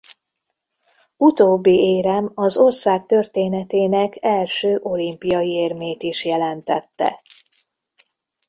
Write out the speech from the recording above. Utóbbi érem az ország történetének első olimpiai érmét is jelentette.